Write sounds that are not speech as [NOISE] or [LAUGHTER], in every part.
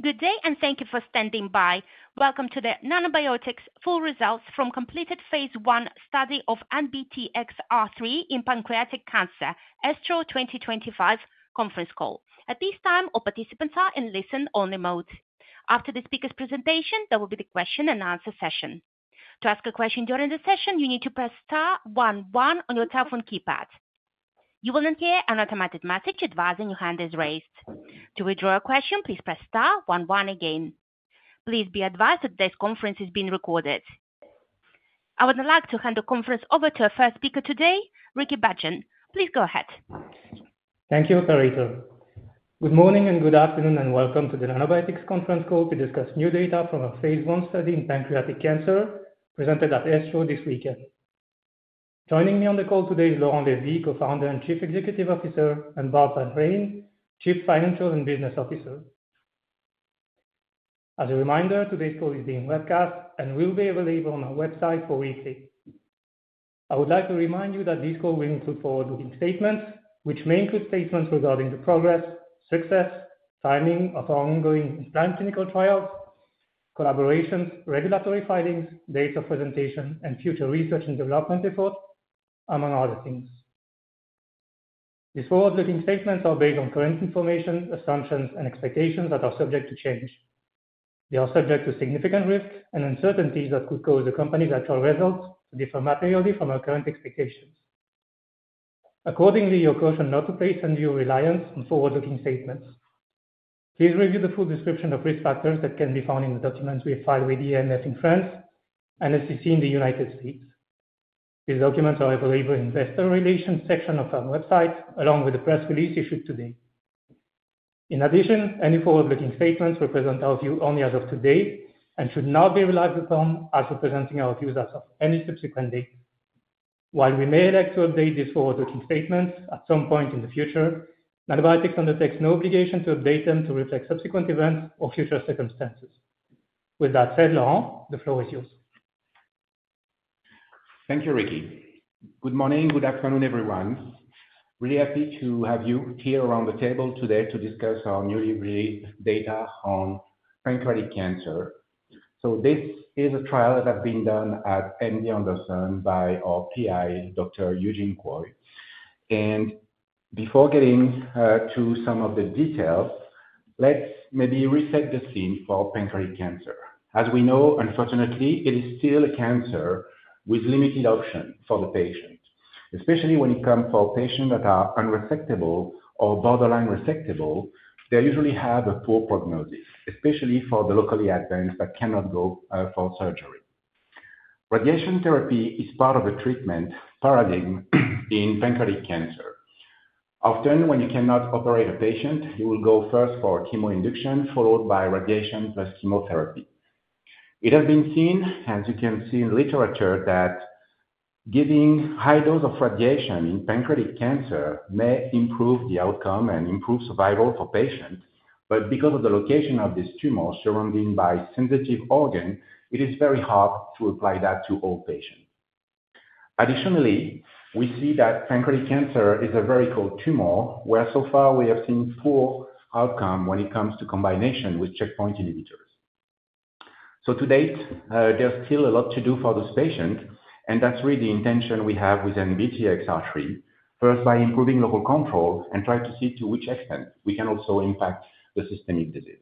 Good day, and thank you for standing by. Welcome to the Nanobiotix full results from completed phase I study of NBTXR3 in pancreatic cancer, ESTRO 2025 conference call. At this time, all participants are in listen-only mode. After the speaker's presentation, there will be the question-and-answer session. To ask a question during the session, you need to press *11 on your telephone keypad. You will then hear an automated message advising you hand is raised. To withdraw a question, please press *11 again. Please be advised that this conference is being recorded. I would now like to hand the conference over to our first speaker today, Ricky Bhajun. Please go ahead. Thank you, Clarissa. Good morning and good afternoon, and welcome to the Nanobiotix conference call to discuss new data from our phase I study in pancreatic cancer presented at ESTRO this weekend. Joining me on the call today is Laurent Lévy, Co-founder and Chief Executive Officer, and Bart Van Rhijn, Chief Financial and Business Officer. As a reminder, today's call is being webcast and will be available on our website for replay. I would like to remind you that this call will include forward-looking statements, which may include statements regarding the progress, success, timing of ongoing and planned clinical trials, collaborations, regulatory findings, dates of presentation, and future research and development efforts, among other things. These forward-looking statements are based on current information, assumptions, and expectations that are subject to change. They are subject to significant risks and uncertainties that could cause the company's actual results to differ materially from our current expectations. Accordingly, you are cautioned not to place undue reliance on forward-looking statements. Please review the full description of risk factors that can be found in the documents we have filed with the AMF in France and SEC in the United States. These documents are available in the investor relations section of our website, along with the press release issued today. In addition, any forward-looking statements represent our view only as of today and should not be relied upon as representing our views as of any subsequent date. While we may elect to update these forward-looking statements at some point in the future, Nanobiotix undertakes no obligation to update them to reflect subsequent events or future circumstances. With that said, Laurent, the floor is yours. Thank you, Ricky. Good morning, good afternoon, everyone. Really happy to have you here around the table today to discuss our newly released data on pancreatic cancer. This is a trial that has been done at MD Anderson by our PI, Dr. Eugene Koay. Before getting to some of the details, let's maybe reset the scene for pancreatic cancer. As we know, unfortunately, it is still a cancer with limited options for the patient, especially when it comes for patients that are unresectable or borderline resectable. They usually have a poor prognosis, especially for the locally advanced that cannot go for surgery. Radiation therapy is part of the treatment paradigm in pancreatic cancer. Often, when you cannot operate a patient, you will go first for chemoinduction, followed by radiation plus chemotherapy. It has been seen, as you can see in literature, that giving a high dose of radiation in pancreatic cancer may improve the outcome and improve survival for patients. However, because of the location of this tumor surrounded by sensitive organs, it is very hard to apply that to all patients. Additionally, we see that pancreatic cancer is a very cold tumor where, so far, we have seen poor outcome when it comes to combination with checkpoint inhibitors. To date, there's still a lot to do for this patient, and that's really the intention we have with NBTXR3, first by improving local control and trying to see to which extent we can also impact the systemic disease.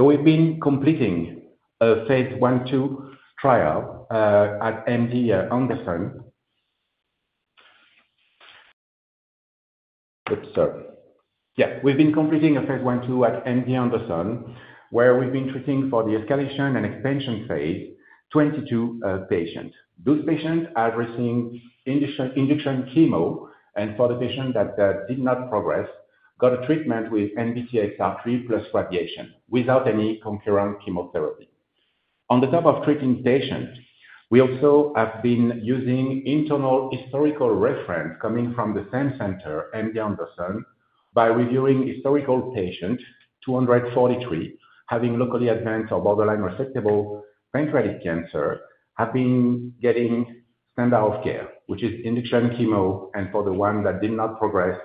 We have been completing a phase I/II trial at MD Anderson. Yeah, we've been completing a phase I/II at MD Anderson, where we've been treating for the escalation and expansion phase 22 patients. Those patients have received induction chemo, and for the patient that did not progress, got a treatment with NBTXR3 plus radiation without any concurrent chemotherapy. On the top of treating patients, we also have been using internal historical reference coming from the same center, MD Anderson, by reviewing historical patient 243 having locally advanced or borderline resectable pancreatic cancer have been getting standard of care, which is induction chemo, and for the one that did not progress,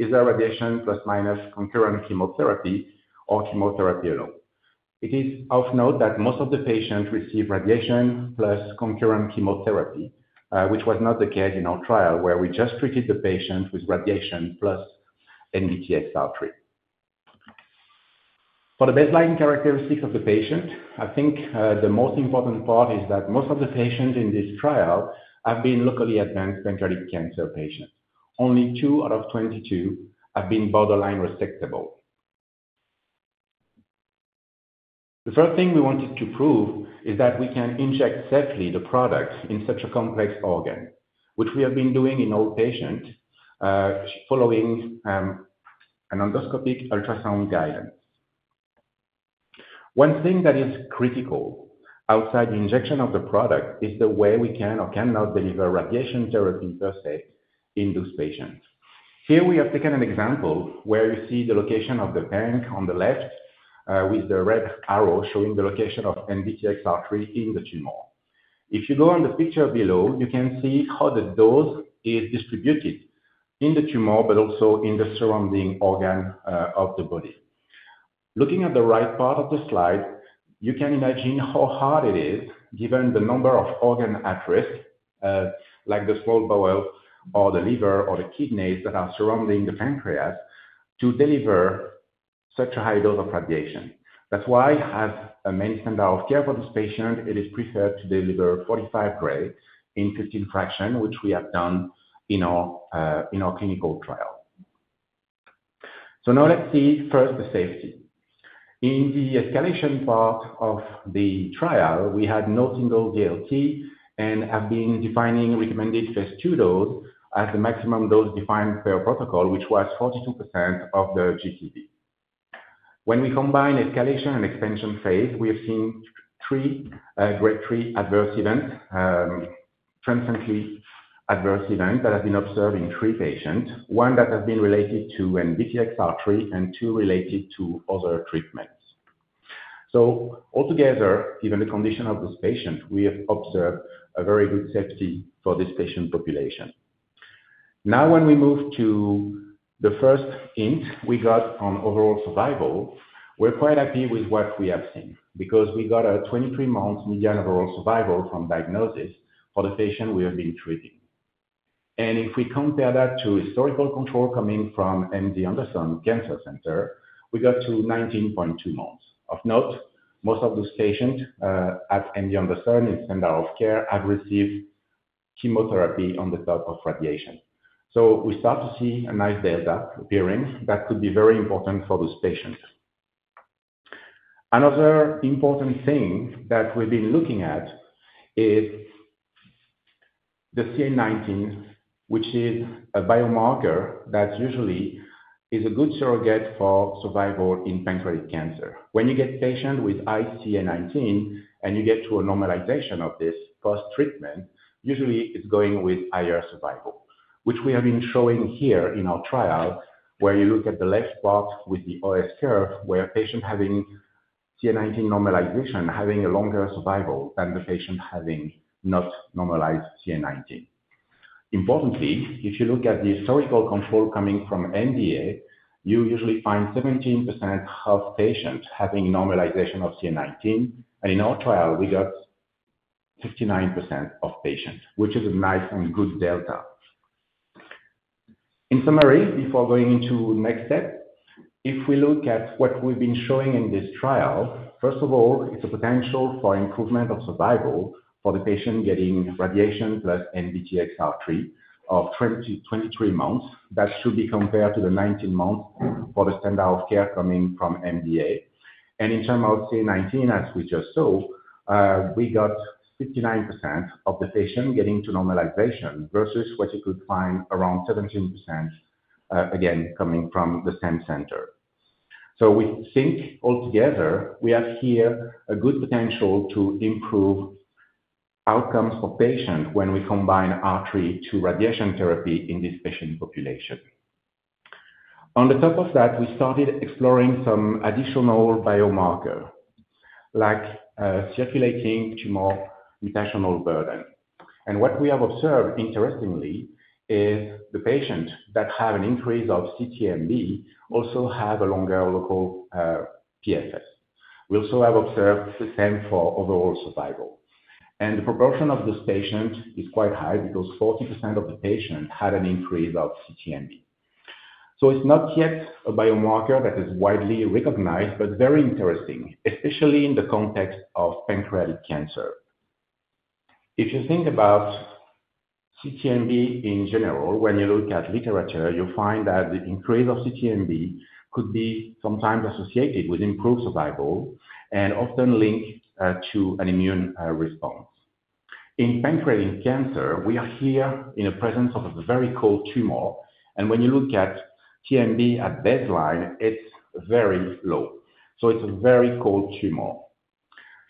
either radiation plus minus concurrent chemotherapy or chemotherapy alone. It is of note that most of the patients receive radiation plus concurrent chemotherapy, which was not the case in our trial, where we just treated the patient with radiation plus NBTXR3. For the baseline characteristics of the patient, I think the most important part is that most of the patients in this trial have been locally advanced pancreatic cancer patients. Only two out of 22 have been borderline resectable. The first thing we wanted to prove is that we can inject safely the product in such a complex organ, which we have been doing in all patients following an endoscopic ultrasound guidance. One thing that is critical outside the injection of the product is the way we can or cannot deliver radiation therapy per se in those patients. Here we have taken an example where you see the location of the [AUDIO DISTORTION] on the left with the red arrow showing the location of NBTXR3 in the tumor. If you go on the picture below, you can see how the dose is distributed in the tumor, but also in the surrounding organ of the body. Looking at the right part of the slide, you can imagine how hard it is, given the number of organs at risk, like the small bowel or the liver or the kidneys that are surrounding the pancreas, to deliver such a high dose of radiation. That is why, as a main standard of care for this patient, it is preferred to deliver 45 Gy in 15 fractions, which we have done in our clinical trial. Now let's see first the safety. In the escalation part of the trial, we had no single DLT and have been defining recommended phase II dose as the maximum dose defined per protocol, which was 42% of the GTV. When we combine escalation and expansion phase, we have seen three grade 3 adverse events, transiently adverse events that have been observed in three patients, one that has been related to NBTXR3 and two related to other treatments. Altogether, given the condition of this patient, we have observed a very good safety for this patient population. Now, when we move to the first hint we got on overall survival, we're quite happy with what we have seen because we got a 23-month median overall survival from diagnosis for the patient we have been treating. If we compare that to historical control coming from MD Anderson Cancer Center, we got to 19.2 months. Of note, most of those patients at MD Anderson in standard of care have received chemotherapy on the top of radiation. We start to see a nice delta appearing that could be very important for those patients. Another important thing that we've been looking at is the CA19, which is a biomarker that usually is a good surrogate for survival in pancreatic cancer. When you get patients with high CA19 and you get to a normalization of this post-treatment, usually it's going with higher survival, which we have been showing here in our trial where you look at the left part with the OS curve where a patient having CA19 normalization having a longer survival than the patient having not normalized CA19. Importantly, if you look at the historical control coming from MDA, you usually find 17% of patients having normalization of CA19, and in our trial, we got 59% of patients, which is a nice and good delta. In summary, before going into the next step, if we look at what we've been showing in this trial, first of all, it's a potential for improvement of survival for the patient getting radiation plus NBTXR3 of 23 months that should be compared to the 19 months for the standard of care coming from MDA. In terms of CA19, as we just saw, we got 59% of the patients getting to normalization versus what you could find around 17%, again, coming from the same center. We think altogether we have here a good potential to improve outcomes for patients when we combine R3 to radiation therapy in this patient population. On the top of that, we started exploring some additional biomarkers, like circulating tumor mutational burden. What we have observed, interestingly, is the patients that have an increase of cTMB also have a longer local PFS. We also have observed the same for overall survival. The proportion of this patient is quite high because 40% of the patients had an increase of cTMB. It is not yet a biomarker that is widely recognized, but very interesting, especially in the context of pancreatic cancer. If you think about cTMB in general, when you look at literature, you'll find that the increase of cTMB could be sometimes associated with improved survival and often linked to an immune response. In pancreatic cancer, we are here in the presence of a very cold tumor, and when you look at TMB at baseline, it is very low. It is a very cold tumor.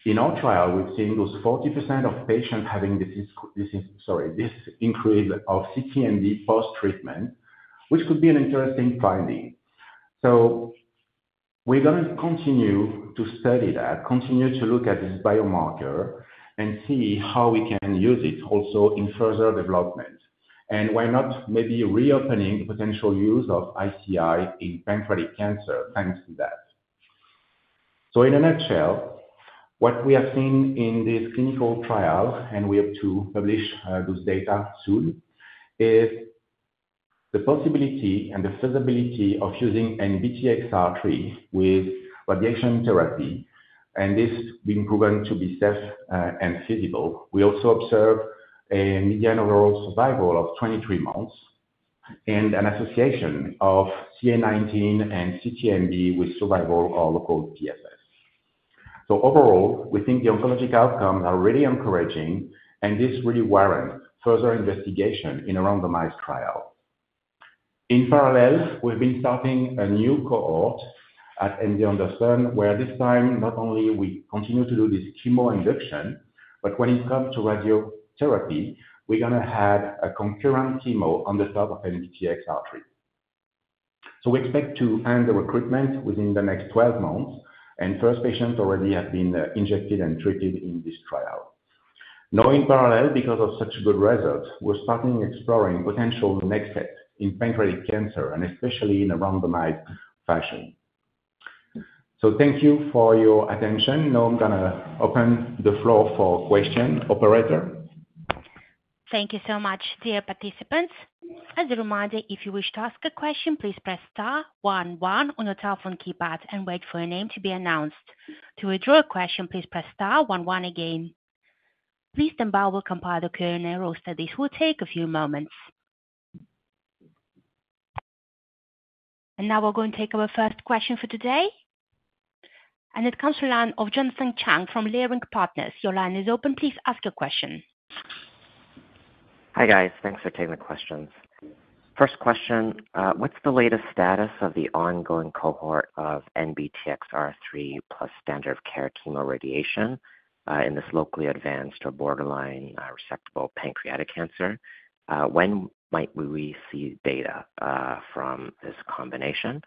In our trial, we've seen those 40% of patients having this increase of cTMB post-treatment, which could be an interesting finding. We're going to continue to study that, continue to look at this biomarker and see how we can use it also in further development, and why not maybe reopening the potential use of ICI in pancreatic cancer thanks to that. In a nutshell, what we have seen in this clinical trial, and we hope to publish those data soon, is the possibility and the feasibility of using NBTXR3 with radiation therapy, and this being proven to be safe and feasible. We also observed a median overall survival of 23 months and an association of CA19 and cTMB with survival of local PFS. Overall, we think the oncologic outcomes are really encouraging, and this really warrants further investigation in a randomized trial. In parallel, we've been starting a new cohort at MD Anderson, where this time, not only will we continue to do this chemoinduction, but when it comes to radiotherapy, we're going to have a concurrent chemo on the top of NBTXR3. We expect to end the recruitment within the next 12 months, and first patients already have been injected and treated in this trial. In parallel, because of such good results, we're starting exploring potential next steps in pancreatic cancer, and especially in a randomized fashion. Thank you for your attention. Now I'm going to open the floor for question operator. Thank you so much, dear participants. As a reminder, if you wish to ask a question, please press star 11 on your telephone keypad and wait for your name to be announced. To withdraw a question, please press star 11 again. Please then bow or compile the Q&A roll, so this will take a few moments. Now we're going to take our first question for today. It comes from line of Jonathan Chang from Leerink Partners. Your line is open. Please ask your question. Hi guys. Thanks for taking the questions. First question, what's the latest status of the ongoing cohort of NBTXR3 plus standard of care chemoradiation in this locally advanced or borderline resectable pancreatic cancer? When might we see data from this combination?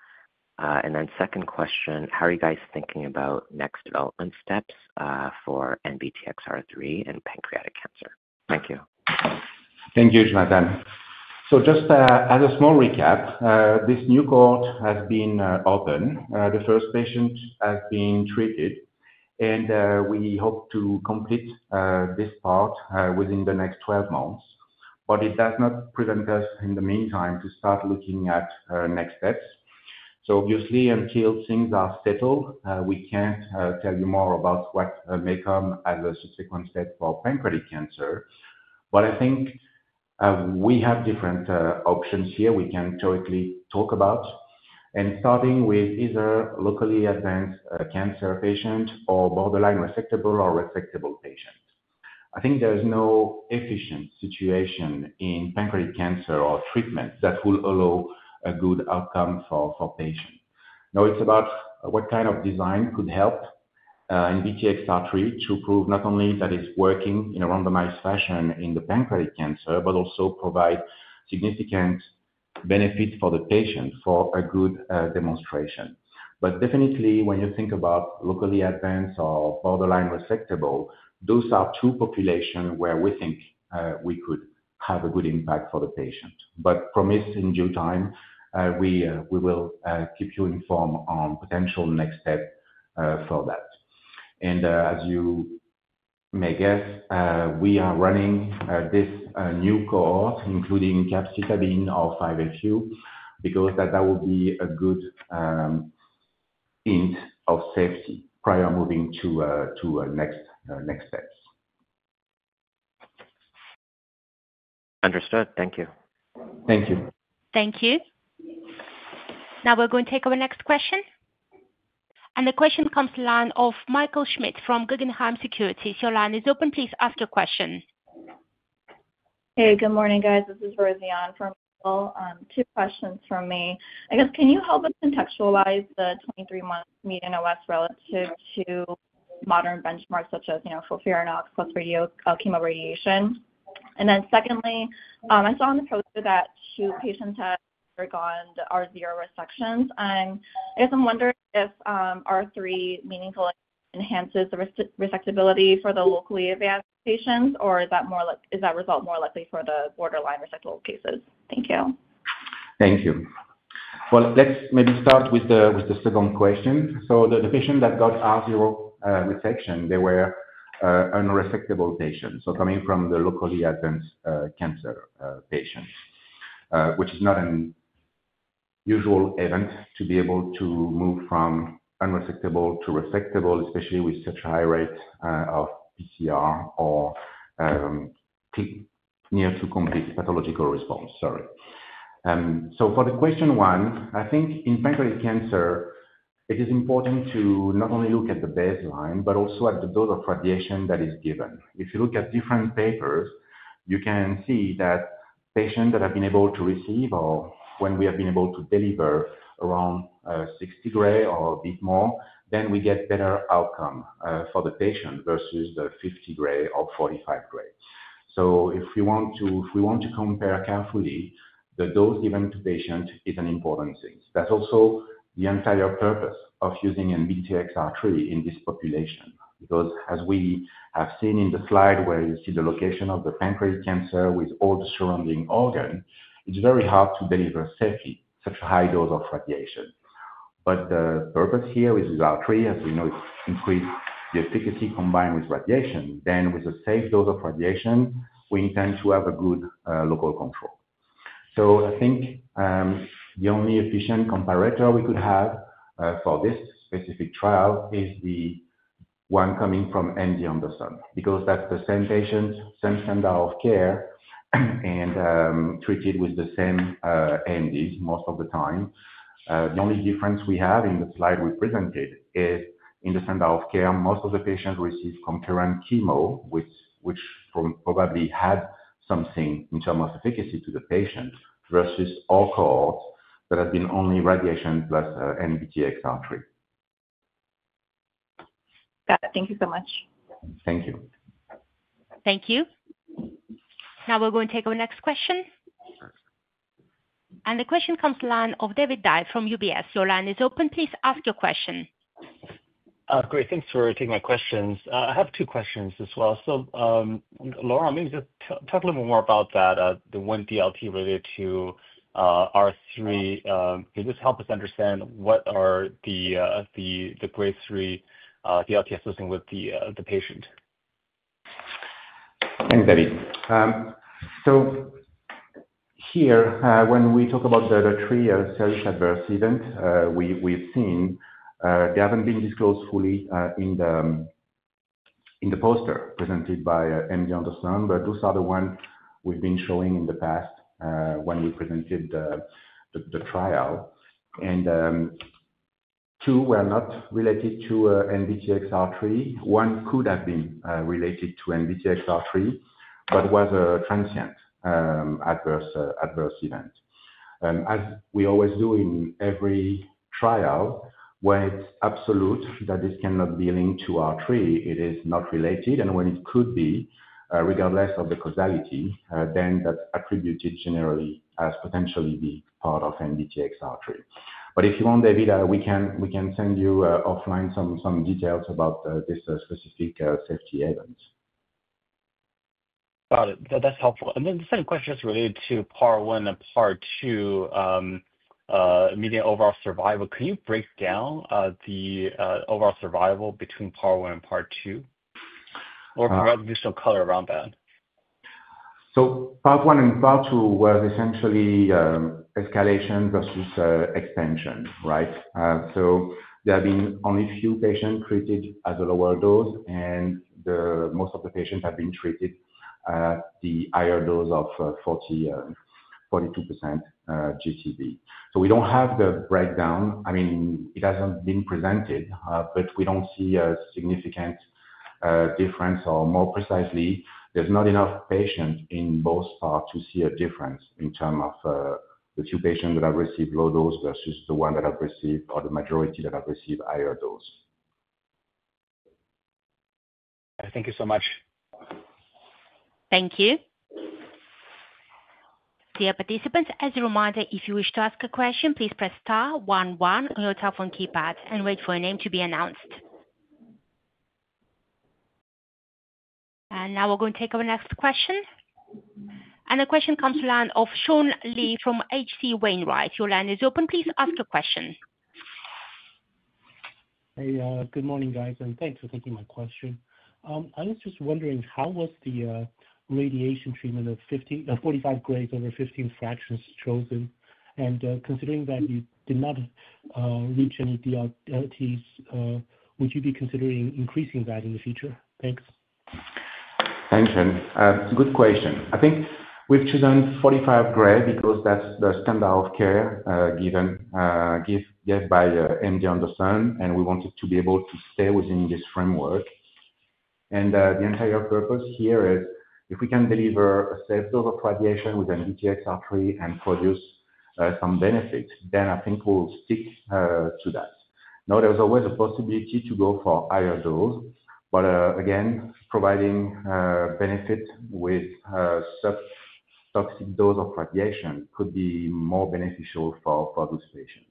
Second question, how are you guys thinking about next development steps for NBTXR3 in pancreatic cancer? Thank you. Thank you, Jonathan. Just as a small recap, this new cohort has been open. The first patient has been treated, and we hope to complete this part within the next 12 months. It does not prevent us in the meantime from starting to look at next steps. Obviously, until things are settled, we can't tell you more about what may come as a subsequent step for pancreatic cancer. I think we have different options here we can directly talk about, starting with either locally advanced cancer patients or borderline resectable or resectable patients. I think there's no efficient situation in pancreatic cancer or treatment that will allow a good outcome for patients. Now, it's about what kind of design could help NBTXR3 to prove not only that it's working in a randomized fashion in the pancreatic cancer, but also provide significant benefit for the patient for a good demonstration. Definitely, when you think about locally advanced or borderline resectable, those are two populations where we think we could have a good impact for the patient. Promise in due time, we will keep you informed on potential next steps for that. As you may guess, we are running this new cohort, including capecitabine or 5-FU, because that will be a good hint of safety prior to moving to next steps. Understood. Thank you. Thank you. Thank you. Now we're going to take our next question. The question comes to line of Michael Schmidt from Guggenheim Securities. Line, is it open, please ask your question? Hey, good morning, guys. This is Rosianne for Michael. Two questions for me. I guess, can you help us contextualize the 23-month median OS relative to modern benchmarks such as FOLFIRINOX plus chemoradiation? Secondly, I saw on the poster that two patients had undergone R0 resections. I guess I'm wondering if R3 meaningfully enhances the resectability for the locally advanced patients, or is that result more likely for the borderline resectable cases? Thank you. Thank you. Let's maybe start with the second question. The patient that got R0 resection, they were unresectable patients, so coming from the locally advanced cancer patients, which is not an usual event to be able to move from unresectable to resectable, especially with such a high rate of pCR or near to complete pathological response, sorry. For the question one, I think in pancreatic cancer, it is important to not only look at the baseline, but also at the dose of radiation that is given. If you look at different papers, you can see that patients that have been able to receive or when we have been able to deliver around 60 Gy or a bit more, then we get better outcome for the patient versus the 50 Gy or 45 Gy. If we want to compare carefully, the dose given to patients is an important thing. That's also the entire purpose of using NBTXR3 in this population, because as we have seen in the slide where you see the location of the pancreatic cancer with all the surrounding organ, it's very hard to deliver safely such a high dose of radiation. The purpose here is R3, as we know, increase the efficacy combined with radiation. With a safe dose of radiation, we intend to have a good local control. I think the only efficient comparator we could have for this specific trial is the one coming from MD Anderson, because that's the same patient, same standard of care, and treated with the same [AUDIO DISTORTION] most of the time. The only difference we have in the slide we presented is in the standard of care, most of the patients receive concurrent chemo, which probably had something in terms of efficacy to the patient versus all cohorts that have been only radiation plus NBTXR3. Thank you so much. Thank you. Thank you. Now we're going to take our next question. The question comes to line of David Dai from UBS. Your line is open. Please ask your question. Great. Thanks for taking my questions. I have two questions as well. Laurent, maybe just talk a little bit more about that, the one DLT related to R3. Can you just help us understand what are the grade 3 DLTs associated with the patient? Thanks, David. Here, when we talk about the [AUDIO DISTORTION] adverse event, we've seen they haven't been disclosed fully in the poster presented by MD Anderson, but those are the ones we've been showing in the past when we presented the trial. Two were not related to NBTXR3. One could have been related to NBTXR3, but was a transient adverse event. As we always do in every trial, when it's absolute that this cannot be linked to R3, it is not related. When it could be, regardless of the causality, then that's attributed generally as potentially being part of NBTXR3. If you want, David, we can send you offline some details about this specific safety event. Got it. That's helpful. The second question is related to part one and part two median overall survival. Can you break down the overall survival between part one and part two or provide additional color around that? Part one and part two were essentially escalation versus expansion, right? There have been only a few patients treated at the lower dose, and most of the patients have been treated at the higher dose of 42% GTV. I mean, it hasn't been presented, but we don't see a significant difference. Or more precisely, there's not enough patients in both parts to see a difference in terms of the few patients that have received low dose versus the ones that have received or the majority that have received higher dose. Thank you so much. Thank you. Dear participants, as a reminder, if you wish to ask a question, please press star 11 on your telephone keypad and wait for your name to be announced. Now we are going to take our next question. The question comes to line of Sean Lee from H.C. Wainwright. Your line is open. Please ask your question. Hey, good morning, guys. Thanks for taking my question. I was just wondering, how was the radiation treatment of 45 Gy over 15 fractions chosen? Considering that you did not reach any DLTs, would you be considering increasing that in the future? Thanks. Thanks, Sean. It's a good question. I think we've chosen 45 Gy because that's the standard of care given by MD Anderson, and we wanted to be able to stay within this framework. The entire purpose here is if we can deliver a safe dose of radiation with NBTXR3 and produce some benefit, then I think we'll stick to that. Now, there's always a possibility to go for higher dose, again, providing benefit with subtoxic dose of radiation could be more beneficial for those patients.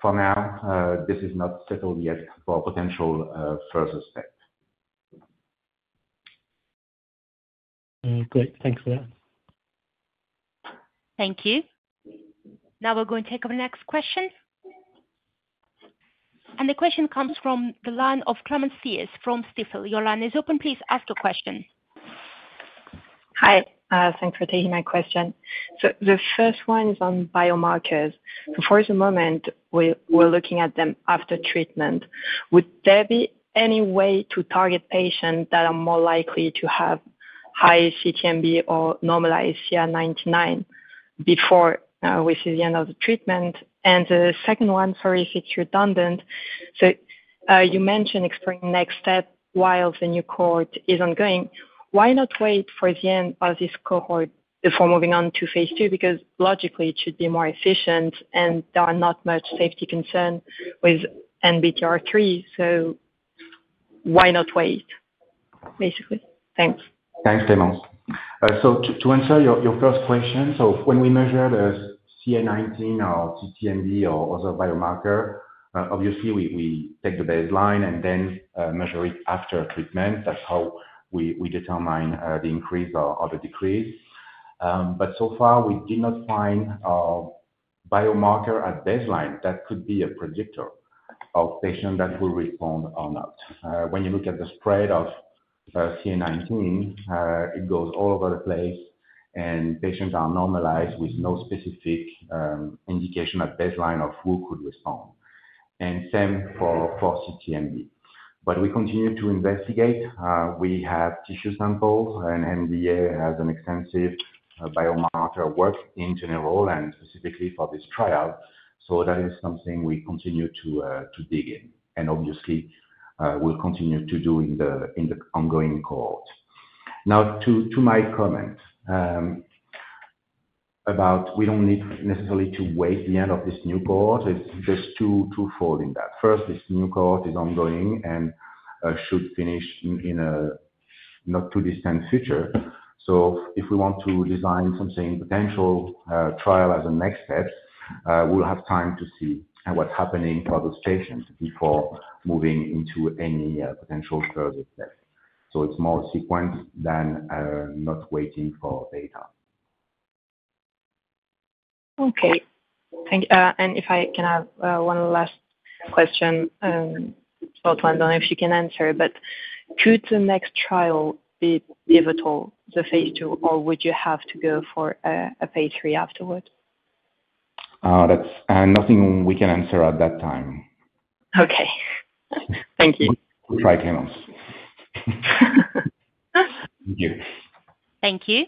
For now, this is not settled yet for potential first step. Great. Thanks for that. Thank you. Now we're going to take our next question. The question comes from the line of Clémence Thiers from Stifel. Your line is open. Please ask your question. Hi. Thanks for taking my question. The first one is on biomarkers. For the first moment, we're looking at them after treatment. Would there be any way to target patients that are more likely to have high cTMB or normalized CA19-9 before we see the end of the treatment? The second one, sorry, if it's redundant. You mentioned exploring next step while the new cohort is ongoing. Why not wait for the end of this cohort before moving on to phase II? Logically, it should be more efficient, and there are not much safety concerns with NBTXR3. Why not wait, basically? Thanks. Thanks, Clémence. To answer your first question, when we measure the CA19 or cTMB or other biomarker, obviously, we take the baseline and then measure it after treatment. That's how we determine the increase or the decrease. So far, we did not find a biomarker at baseline that could be a predictor of patients that will respond or not. When you look at the spread of CA19, it goes all over the place, and patients are normalized with no specific indication at baseline of who could respond. Same for cTMB. We continue to investigate. We have tissue samples, and MDA has an extensive biomarker work in general and specifically for this trial. That is something we continue to dig in. Obviously, we'll continue to do in the ongoing cohort. Now, to my comment about we don't need necessarily to wait the end of this new cohort. There's twofold in that. First, this new cohort is ongoing and should finish in a not too distant future. If we want to design something, potential trial as a next step, we'll have time to see what's happening for those patients before moving into any potential further steps. It's more sequence than not waiting for data. Okay. If I can have one last question, I don't know if you can answer, but could the next trial be pivotal, the phase II, or would you have to go for a phase III afterward? Nothing we can answer at that time. Okay. Thank you. Right, Clémence. Thank you. Thank you.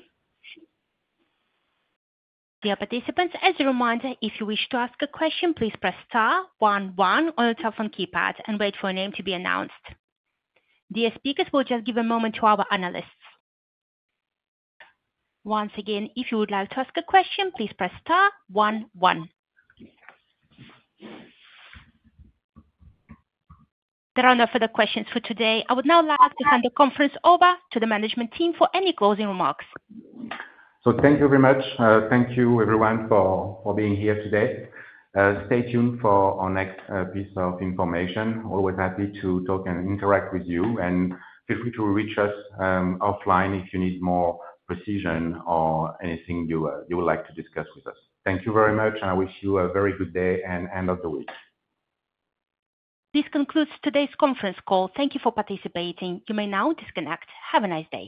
Dear participants, as a reminder, if you wish to ask a question, please press star 11 on your telephone keypad and wait for your name to be announced. Dear speakers, we'll just give a moment to our analysts. Once again, if you would like to ask a question, please press star 11. There are no further questions for today. I would now like to hand the conference over to the management team for any closing remarks. Thank you very much. Thank you, everyone, for being here today. Stay tuned for our next piece of information. Always happy to talk and interact with you. Feel free to reach us offline if you need more precision or anything you would like to discuss with us. Thank you very much, and I wish you a very good day and end of the week. This concludes today's conference call. Thank you for participating. You may now disconnect. Have a nice day.